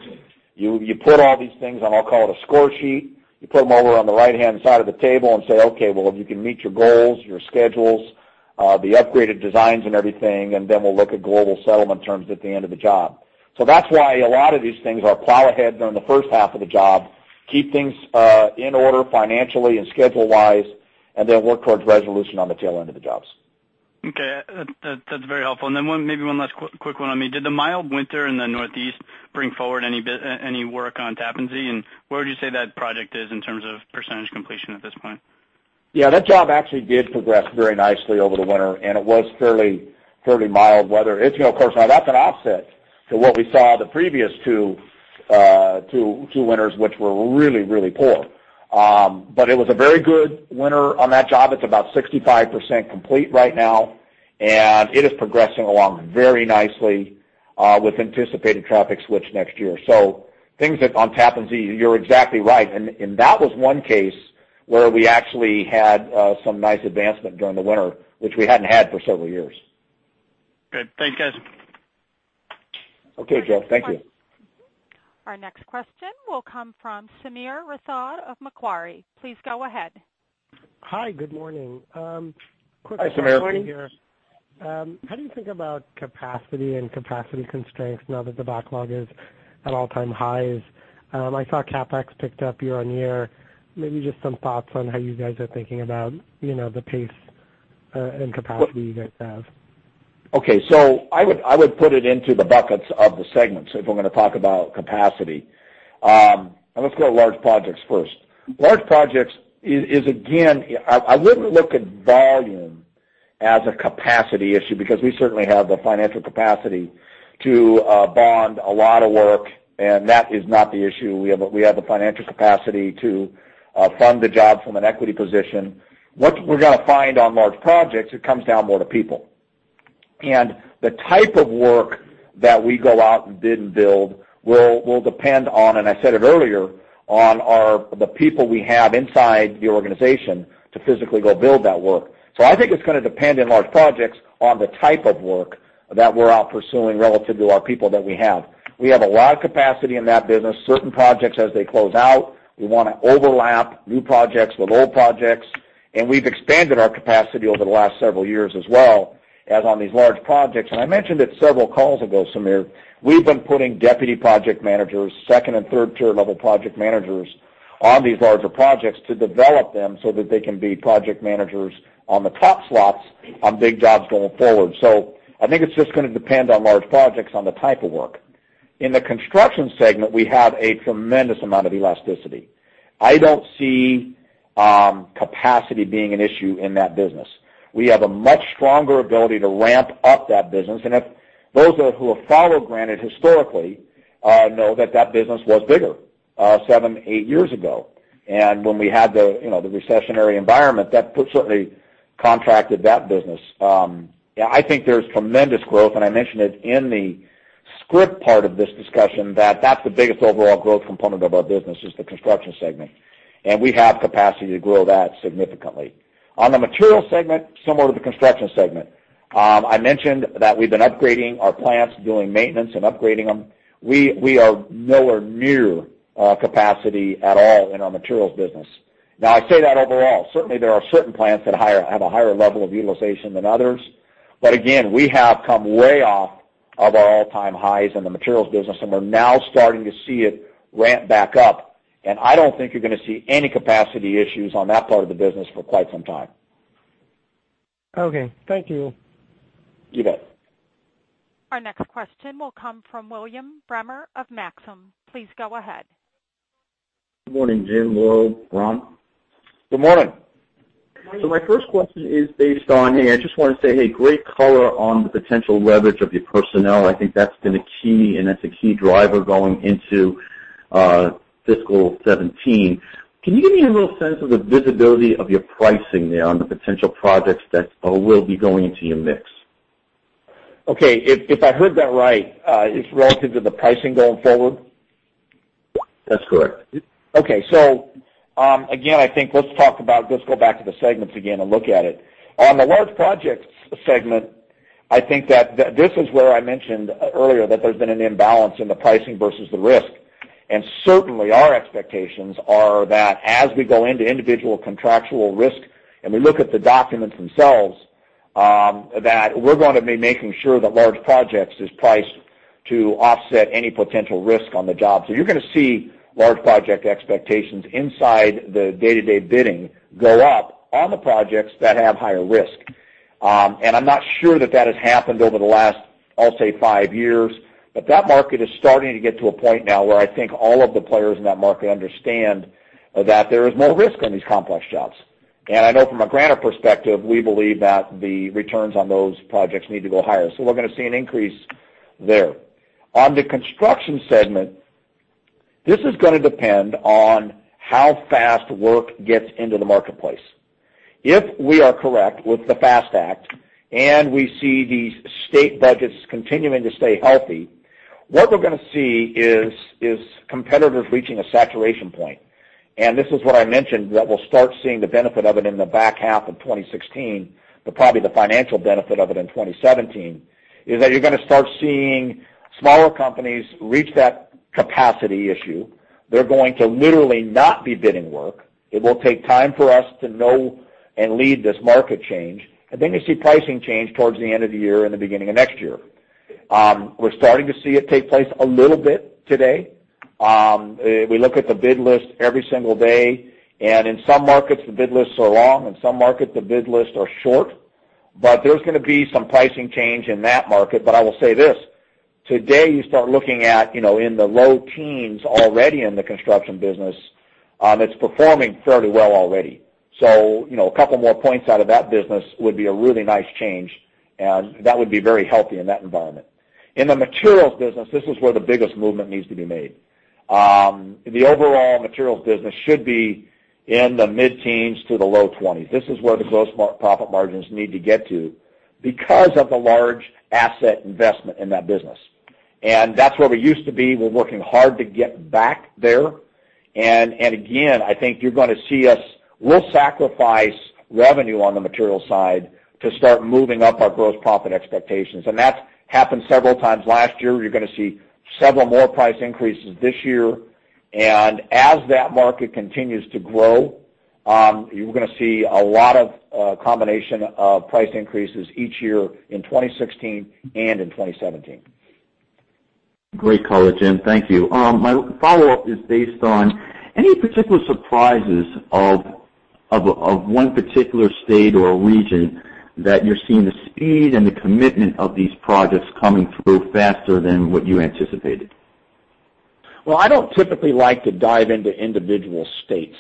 You put all these things on, I'll call it a score sheet. You put them over on the right-hand side of the table and say, "Okay, well, if you can meet your goals, your schedules, the upgraded designs and everything," and then we'll look at global settlement terms at the end of the job. So that's why a lot of these things we plow ahead during the first half of the job, keep things in order financially and schedule-wise, and then work towards resolution on the tail end of the jobs. Okay. That's very helpful. And then maybe one last quick one on me. Did the mild winter in the Northeast bring forward any work on Tappan Zee? And where would you say that project is in terms of percentage completion at this point? Yeah. That job actually did progress very nicely over the winter, and it was fairly mild weather. Of course, now that's an offset to what we saw the previous two winters, which were really, really poor. But it was a very good winter on that job. It's about 65% complete right now, and it is progressing along very nicely with anticipated traffic switch next year. So things on Tappan Zee, you're exactly right. And that was one case where we actually had some nice advancement during the winter, which we hadn't had for several years. Good. Thanks, guys. Okay, Joe. Thank you. Our next question will come from Sameer Rathod of Macquarie. Please go ahead. Hi. Good morning. Quick question. Hi, Sameer. Good morning. How do you think about capacity and capacity constraints now that the backlog is at all-time highs? I saw CapEx picked up year-over-year. Maybe just some thoughts on how you guys are thinking about the pace and capacity you guys have. Okay. So I would put it into the buckets of the segments if we're going to talk about capacity. Let's go to large projects first. Large projects is, again, I wouldn't look at volume as a capacity issue because we certainly have the financial capacity to bond a lot of work, and that is not the issue. We have the financial capacity to fund the job from an equity position. What we're going to find on large projects, it comes down more to people. The type of work that we go out and bid and build will depend on, and I said it earlier, on the people we have inside the organization to physically go build that work. So I think it's going to depend in large projects on the type of work that we're out pursuing relative to our people that we have. We have a lot of capacity in that business. Certain projects, as they close out, we want to overlap new projects with old projects. We've expanded our capacity over the last several years as well as on these large projects. I mentioned it several calls ago, Sameer. We've been putting deputy project managers, second and third-tier level project managers on these larger projects to develop them so that they can be project managers on the top slots on big jobs going forward. I think it's just going to depend on large projects on the type of work. In the construction segment, we have a tremendous amount of elasticity. I don't see capacity being an issue in that business. We have a much stronger ability to ramp up that business. Those who have followed Granite historically know that that business was bigger seven, eight years ago. When we had the recessionary environment, that certainly contracted that business. Yeah, I think there's tremendous growth. I mentioned it in the script part of this discussion that that's the biggest overall growth component of our business is the construction segment. And we have capacity to grow that significantly. On the materials segment, similar to the construction segment, I mentioned that we've been upgrading our plants, doing maintenance and upgrading them. We are nowhere near capacity at all in our materials business. Now, I say that overall. Certainly, there are certain plants that have a higher level of utilization than others. But again, we have come way off of our all-time highs in the materials business, and we're now starting to see it ramp back up. I don't think you're going to see any capacity issues on that part of the business for quite some time. Okay. Thank you. You bet. Our next question will come from William Bremer of Maxim. Please go ahead. Good morning, Jim. William. Good morning. My first question is based on, hey, I just want to say, hey, great color on the potential leverage of your personnel. I think that's been a key, and that's a key driver going into fiscal 2017. Can you give me a little sense of the visibility of your pricing there on the potential projects that will be going into your mix? Okay. If I heard that right, it's relative to the pricing going forward? That's correct. Okay. So again, I think let's talk about, let's go back to the segments again and look at it. On the large projects segment, I think that this is where I mentioned earlier that there's been an imbalance in the pricing versus the risk. And certainly, our expectations are that as we go into individual contractual risk and we look at the documents themselves, that we're going to be making sure that large projects is priced to offset any potential risk on the job. So you're going to see large project expectations inside the day-to-day bidding go up on the projects that have higher risk. I'm not sure that that has happened over the last, I'll say, five years, but that market is starting to get to a point now where I think all of the players in that market understand that there is more risk on these complex jobs. I know from a Granite perspective, we believe that the returns on those projects need to go higher. We're going to see an increase there. On the construction segment, this is going to depend on how fast work gets into the marketplace. If we are correct with the FAST Act and we see these state budgets continuing to stay healthy, what we're going to see is competitors reaching a saturation point. And this is what I mentioned that we'll start seeing the benefit of it in the back half of 2016, but probably the financial benefit of it in 2017 is that you're going to start seeing smaller companies reach that capacity issue. They're going to literally not be bidding work. It will take time for us to know and lead this market change. And then you see pricing change towards the end of the year and the beginning of next year. We're starting to see it take place a little bit today. We look at the bid list every single day. And in some markets, the bid lists are long. In some markets, the bid lists are short. But there's going to be some pricing change in that market. But I will say this. Today, you start looking at in the low teens already in the construction business. It's performing fairly well already. So a couple more points out of that business would be a really nice change, and that would be very healthy in that environment. In the materials business, this is where the biggest movement needs to be made. The overall materials business should be in the mid-teens to the low 20s. This is where the gross profit margins need to get to because of the large asset investment in that business. And that's where we used to be. We're working hard to get back there. And again, I think you're going to see us. We'll sacrifice revenue on the materials side to start moving up our gross profit expectations. And that's happened several times last year. You're going to see several more price increases this year. As that market continues to grow, you're going to see a lot of combination of price increases each year in 2016 and in 2017. Great color, Jim. Thank you. My follow-up is based on any particular surprises of one particular state or region that you're seeing the speed and the commitment of these projects coming through faster than what you anticipated? Well, I don't typically like to dive into individual states.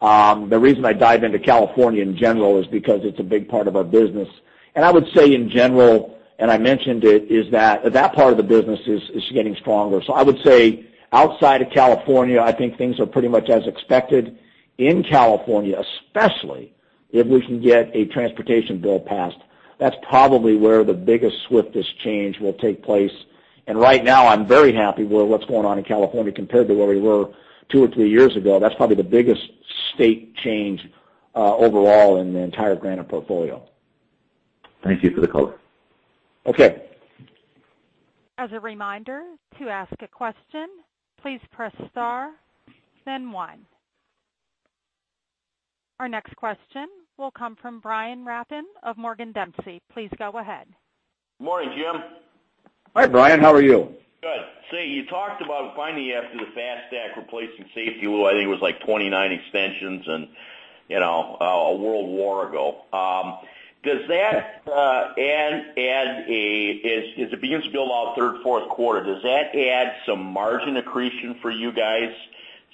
The reason I dive into California in general is because it's a big part of our business. And I would say in general, and I mentioned it, is that that part of the business is getting stronger. So I would say outside of California, I think things are pretty much as expected. In California, especially if we can get a transportation bill passed, that's probably where the biggest swiftest change will take place. And right now, I'm very happy with what's going on in California compared to where we were two or three years ago. That's probably the biggest state change overall in the entire Granite portfolio. Thank you for the color. Okay. As a reminder to ask a question, please press star, then one. Our next question will come from Brian Rafn of Morgan Dempsey. Please go ahead. Good morning, Jim. Hi, Brian. How are you? Good. See, you talked about finally after the FAST Act replacing SAFETEA-LU, I think it was like 29 extensions and a world war ago. Does that add a, as it begins to build out third, fourth quarter, does that add some margin accretion for you guys,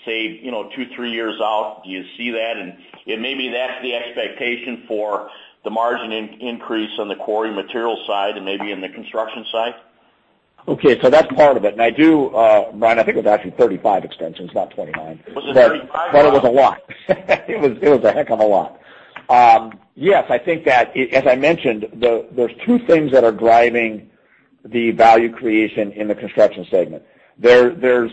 say, two, three years out? Do you see that? And maybe that's the expectation for the margin increase on the quarry materials side and maybe in the construction side? Okay. That's part of it. I do, Brian, I think it was actually 35 extensions, not 29. Was it 35? But it was a lot. It was a heck of a lot. Yes, I think that, as I mentioned, there's two things that are driving the value creation in the construction segment. There's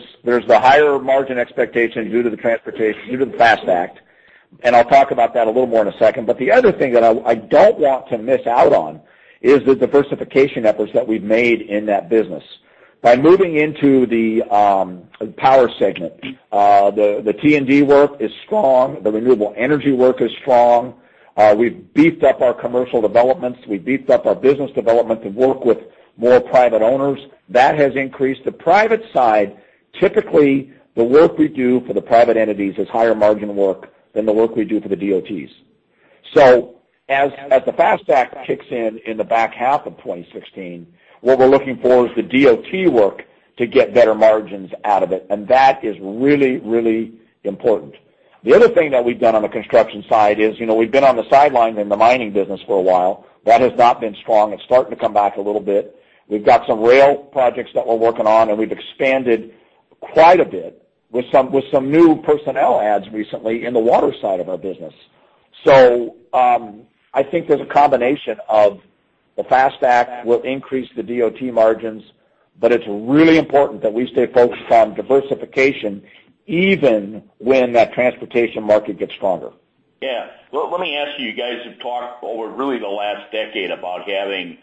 the higher margin expectation due to the transportation, due to the FAST Act. And I'll talk about that a little more in a second. But the other thing that I don't want to miss out on is the diversification efforts that we've made in that business. By moving into the power segment, the T&D work is strong. The renewable energy work is strong. We've beefed up our commercial developments. We've beefed up our business development to work with more private owners. That has increased. The private side, typically, the work we do for the private entities is higher margin work than the work we do for the DOTs. So as the FAST Act kicks in in the back half of 2016, what we're looking for is the DOT work to get better margins out of it. That is really, really important. The other thing that we've done on the construction side is we've been on the sidelines in the mining business for a while. That has not been strong. It's starting to come back a little bit. We've got some rail projects that we're working on, and we've expanded quite a bit with some new personnel adds recently in the water side of our business. I think there's a combination of the FAST Act will increase the DOT margins, but it's really important that we stay focused on diversification even when that transportation market gets stronger. Yeah. Well, let me ask you. You guys have talked over really the last decade about having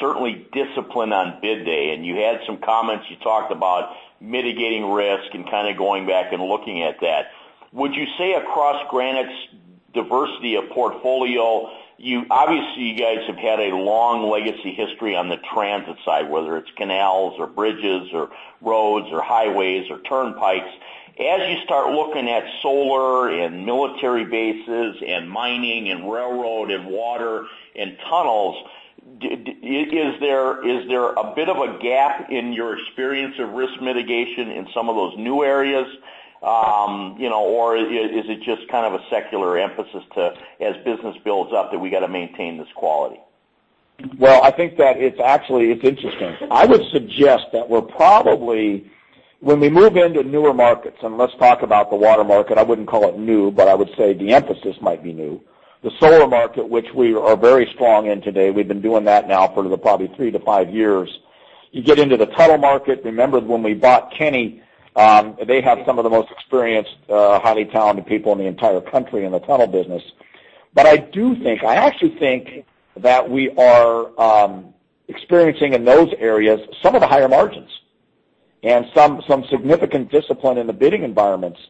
certainly discipline on bid day. You had some comments. You talked about mitigating risk and kind of going back and looking at that. Would you say across Granite's diversity of portfolio, obviously, you guys have had a long legacy history on the transit side, whether it's canals or bridges or roads or highways or turnpikes? As you start looking at solar and military bases and mining and railroad and water and tunnels, is there a bit of a gap in your experience of risk mitigation in some of those new areas, or is it just kind of a secular emphasis to, as business builds up, that we got to maintain this quality? Well, I think that it's actually interesting. I would suggest that we're probably, when we move into newer markets, and let's talk about the water market. I wouldn't call it new, but I would say the emphasis might be new. The solar market, which we are very strong in today, we've been doing that now for probably three-five years. You get into the tunnel market, remember when we bought Kenny, they have some of the most experienced, highly talented people in the entire country in the tunnel business. But I do think, I actually think that we are experiencing in those areas some of the higher margins and some significant discipline in the bidding environments.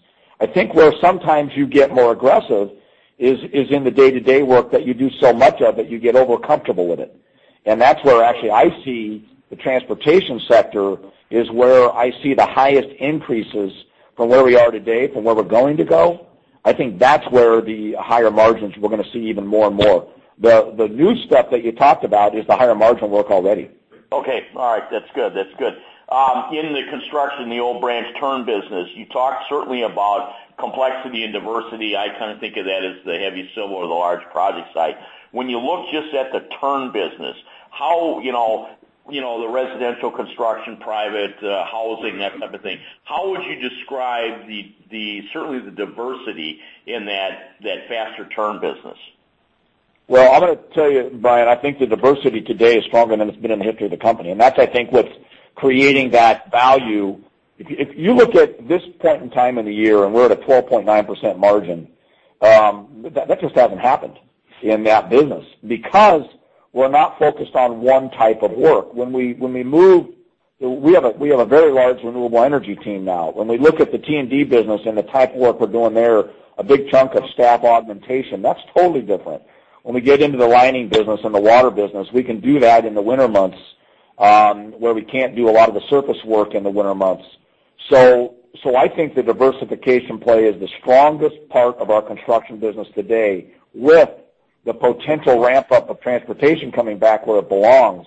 I think where sometimes you get more aggressive is in the day-to-day work that you do so much of that you get overcomfortable with it. That's where actually I see the transportation sector is where I see the highest increases from where we are today, from where we're going to go. I think that's where the higher margins we're going to see even more and more. The new stuff that you talked about is the higher margin work already. Okay. All right. That's good. That's good. In the construction, the old Branch turn business, you talked certainly about complexity and diversity. I kind of think of that as the heavy civil or the large project side. When you look just at the turn business, how the residential construction, private housing, that type of thing, how would you describe certainly the diversity in that faster turn business? Well, I'm going to tell you, Brian, I think the diversity today is stronger than it's been in the history of the company. And that's, I think, what's creating that value. If you look at this point in time of the year and we're at a 12.9% margin, that just hasn't happened in that business because we're not focused on one type of work. When we move, we have a very large renewable energy team now. When we look at the T&D business and the type of work we're doing there, a big chunk of staff augmentation, that's totally different. When we get into the lining business and the water business, we can do that in the winter months where we can't do a lot of the surface work in the winter months. I think the diversification play is the strongest part of our construction business today with the potential ramp-up of transportation coming back where it belongs.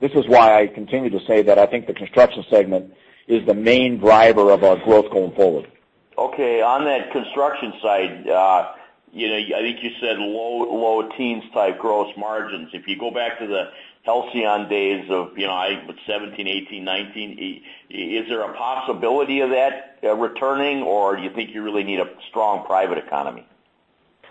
This is why I continue to say that I think the construction segment is the main driver of our growth going forward. Okay. On that construction side, I think you said low-teens-type gross margins. If you go back to the halcyon days of 2017, 2018, 2019, is there a possibility of that returning, or do you think you really need a strong private economy?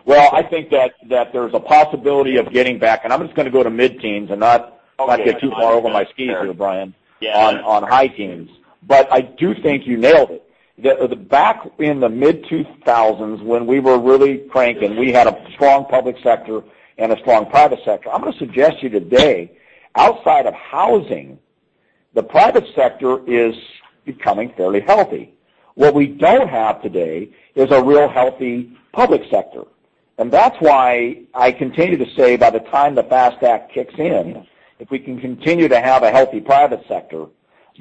Well, I think that there's a possibility of getting back, and I'm just going to go to mid-teens and not get too far over my skis here, Brian, on high teens. But I do think you nailed it. Back in the mid-2000s, when we were really cranking, we had a strong public sector and a strong private sector. I'm going to suggest to you today, outside of housing, the private sector is becoming fairly healthy. What we don't have today is a real healthy public sector. And that's why I continue to say by the time the FAST Act kicks in, if we can continue to have a healthy private sector,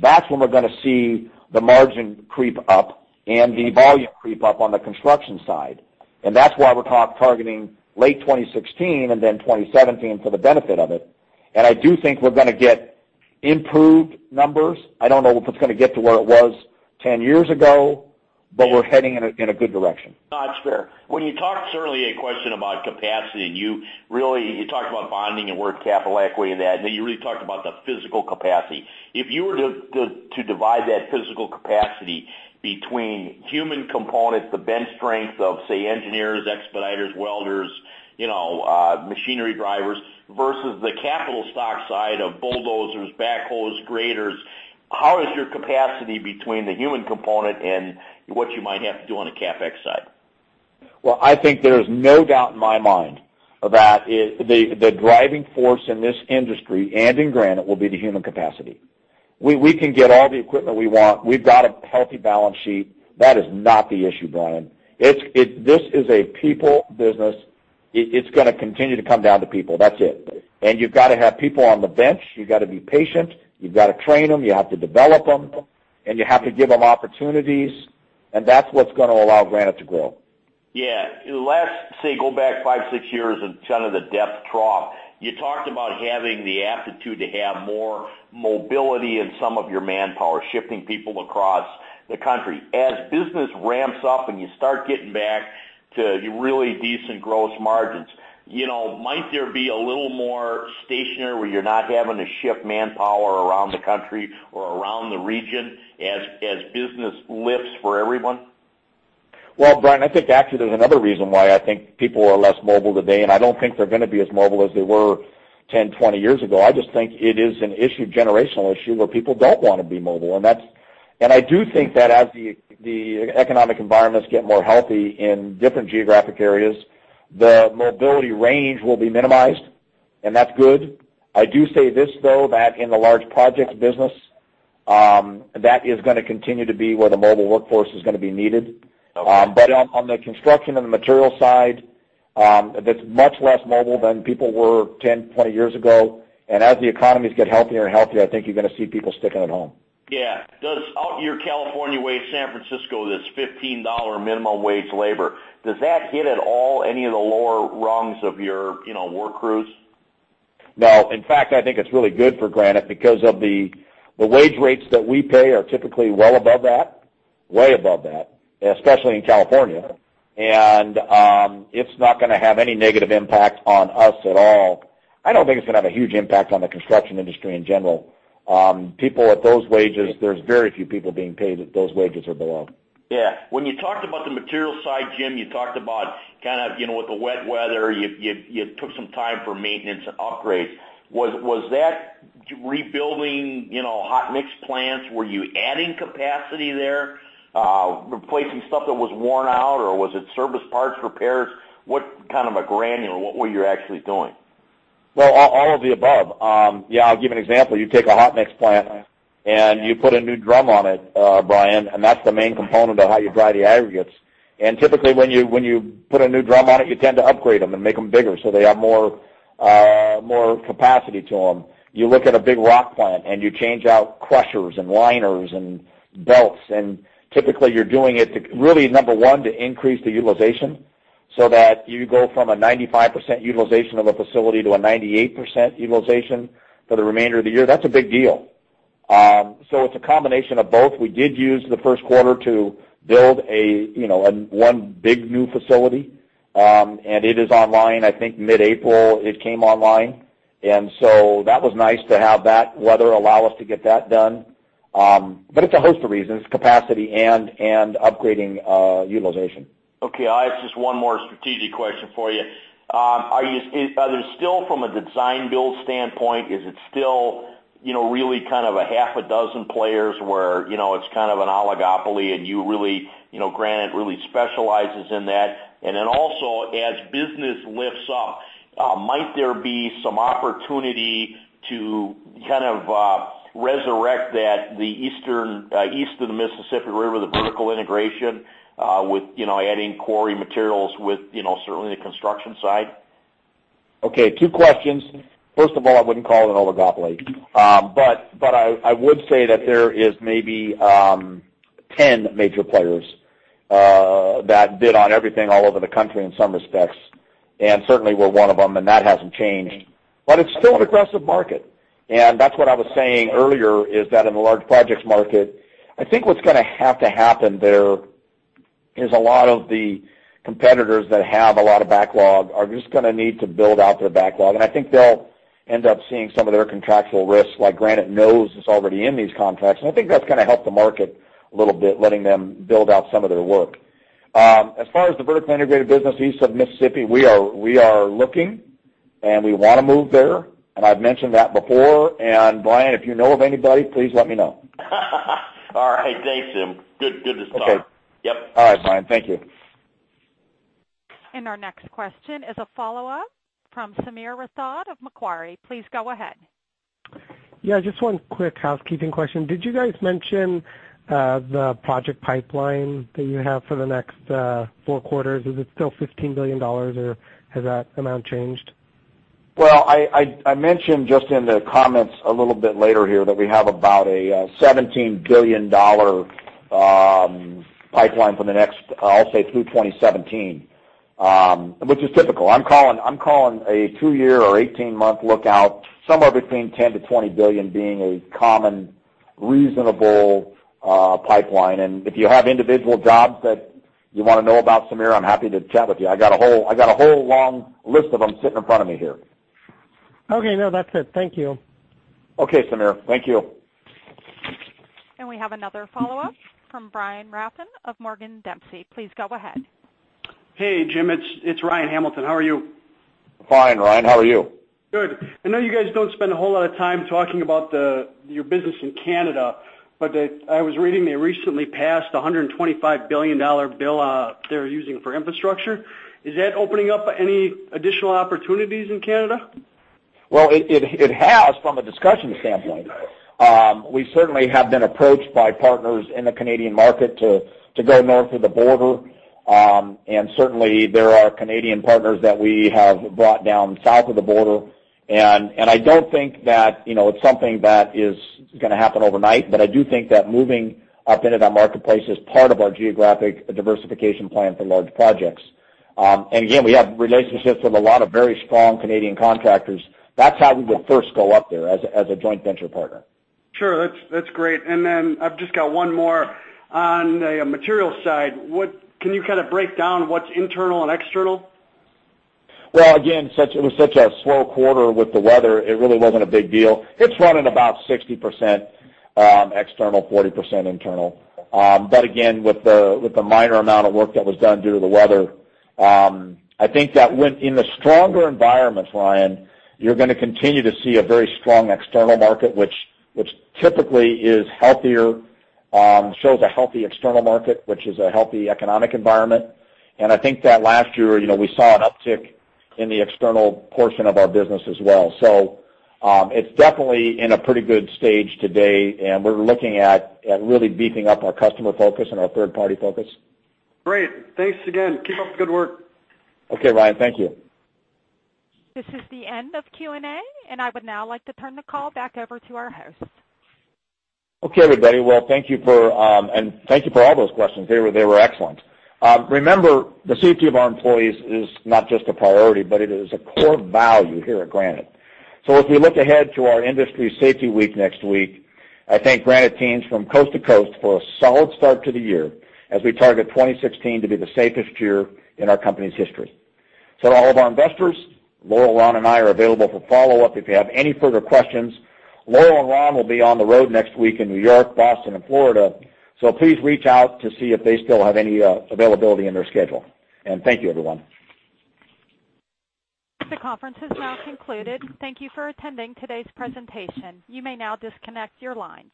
that's when we're going to see the margin creep up and the volume creep up on the construction side. And that's why we're targeting late 2016 and then 2017 for the benefit of it. I do think we're going to get improved numbers. I don't know if it's going to get to where it was 10 years ago, but we're heading in a good direction. Not sure. When you talked, certainly a question about capacity, and you talked about bonding and working capital equity and that, and then you really talked about the physical capacity. If you were to divide that physical capacity between human components, the bench strength of, say, engineers, expediters, welders, machinery drivers versus the capital stock side of bulldozers, backhoes, graders, how is your capacity between the human component and what you might have to do on a CapEx side? Well, I think there's no doubt in my mind that the driving force in this industry and in Granite will be the human capacity. We can get all the equipment we want. We've got a healthy balance sheet. That is not the issue, Brian. This is a people business. It's going to continue to come down to people. That's it. And you've got to have people on the bench. You've got to be patient. You've got to train them. You have to develop them. And you have to give them opportunities. And that's what's going to allow Granite to grow. Yeah. Let's say go back five, six years and kind of the depth drop. You talked about having the aptitude to have more mobility in some of your manpower, shipping people across the country. As business ramps up and you start getting back to really decent gross margins, might there be a little more stationary where you're not having to shift manpower around the country or around the region as business lifts for everyone? Well, Brian, I think actually there's another reason why I think people are less mobile today. I don't think they're going to be as mobile as they were 10, 20 years ago. I just think it is an issue, generational issue, where people don't want to be mobile. I do think that as the economic environments get more healthy in different geographic areas, the mobility range will be minimized. That's good. I do say this though, that in the large projects business, that is going to continue to be where the mobile workforce is going to be needed. On the construction and the materials side, that's much less mobile than people were 10, 20 years ago. As the economies get healthier and healthier, I think you're going to see people sticking at home. Yeah. Your California wage, San Francisco, this $15 minimum wage labor, does that hit at all any of the lower rungs of your work crews? No. In fact, I think it's really good for Granite because the wage rates that we pay are typically well above that, way above that, especially in California. It's not going to have any negative impact on us at all. I don't think it's going to have a huge impact on the construction industry in general. People at those wages, there's very few people being paid at those wages or below. Yeah. When you talked about the materials side, Jim, you talked about kind of with the wet weather, you took some time for maintenance and upgrades. Was that rebuilding hot mix plants? Were you adding capacity there, replacing stuff that was worn out, or was it service parts, repairs? What kind of a granular, what were you actually doing? Well, all of the above. Yeah. I'll give you an example. You take a hot mix plant and you put a new drum on it, Brian, and that's the main component of how you dry the aggregates. And typically, when you put a new drum on it, you tend to upgrade them and make them bigger so they have more capacity to them. You look at a big rock plant and you change out crushers and liners and belts. And typically, you're doing it to really, number one, to increase the utilization so that you go from a 95% utilization of a facility to a 98% utilization for the remainder of the year. That's a big deal. So it's a combination of both. We did use the first quarter to build one big new facility. And it is online. I think mid-April it came online. And so that was nice to have that weather allow us to get that done. But it's a host of reasons. It's capacity and upgrading utilization. Okay. I have just one more strategic question for you. Are there still, from a design-build standpoint, is it still really kind of a half a dozen players where it's kind of an oligopoly and Granite really specializes in that? And then also, as business lifts up, might there be some opportunity to kind of resurrect that, the east of the Mississippi River, the vertical integration with adding quarry materials with certainly the construction side? Okay. Two questions. First of all, I wouldn't call it an oligopoly. But I would say that there is maybe 10 major players that bid on everything all over the country in some respects. And certainly, we're one of them, and that hasn't changed. But it's still an aggressive market. And that's what I was saying earlier, is that in the large projects market, I think what's going to have to happen there is a lot of the competitors that have a lot of backlog are just going to need to build out their backlog. And I think they'll end up seeing some of their contractual risks. Granite knows it's already in these contracts. And I think that's going to help the market a little bit, letting them build out some of their work. As far as the vertically integrated business east of Mississippi, we are looking and we want to move there. And I've mentioned that before. And Brian, if you know of anybody, please let me know. All right. Thanks, Jim. Good to start. Yep. All right, Brian. Thank you. Our next question is a follow-up from Sameer Rathod of Macquarie. Please go ahead. Yeah. Just one quick housekeeping question. Did you guys mention the project pipeline that you have for the next four quarters? Is it still $15 billion, or has that amount changed? Well, I mentioned just in the comments a little bit later here that we have about a $17 billion pipeline for the next, I'll say, through 2017, which is typical. I'm calling a two-year or 18-month outlook, somewhere between $10 billion-$20 billion being a common reasonable pipeline. And if you have individual jobs that you want to know about, Sameer, I'm happy to chat with you. I got a whole long list of them sitting in front of me here. Okay. No, that's it. Thank you. Okay, Sameer. Thank you. We have another follow-up from Brian Rafn of Morgan Dempsey. Please go ahead. Hey, Jim. It's Ryan Hamilton. How are you? Fine. Ryan, how are you? Good. I know you guys don't spend a whole lot of time talking about your business in Canada, but I was reading they recently passed a $125 billion bill they're using for infrastructure. Is that opening up any additional opportunities in Canada? Well, it has from a discussion standpoint. We certainly have been approached by partners in the Canadian market to go north of the border. Certainly, there are Canadian partners that we have brought down south of the border. I don't think that it's something that is going to happen overnight, but I do think that moving up into that marketplace is part of our geographic diversification plan for large projects. Again, we have relationships with a lot of very strong Canadian contractors. That's how we would first go up there as a joint venture partner. Sure. That's great. And then I've just got one more on the materials side. Can you kind of break down what's internal and external? Well, again, it was such a slow quarter with the weather. It really wasn't a big deal. It's running about 60% external, 40% internal. But again, with the minor amount of work that was done due to the weather, I think that in the stronger environment, Ryan, you're going to continue to see a very strong external market, which typically is healthier, shows a healthy external market, which is a healthy economic environment. And I think that last year, we saw an uptick in the external portion of our business as well. So it's definitely in a pretty good stage today. And we're looking at really beefing up our customer focus and our third-party focus. Great. Thanks again. Keep up the good work. Okay, Ryan. Thank you. This is the end of Q&A, and I would now like to turn the call back over to our host. Okay, everybody. Well, thank you for and thank you for all those questions. They were excellent. Remember, the safety of our employees is not just a priority, but it is a core value here at Granite. As we look ahead to our Industry Safety Week next week, I thank Granite teams from coast to coast for a solid start to the year as we target 2016 to be the safest year in our company's history. All of our investors, `Laurel, Ron, and I are available for follow-up. If you have any further questions, Laurel and Ron will be on the road next week in New York, Boston, and Florida. Please reach out to see if they still have any availability in their schedule. Thank you, everyone. The conference has now concluded. Thank you for attending today's presentation. You may now disconnect your lines.